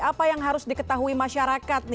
apa yang harus diketahui masyarakat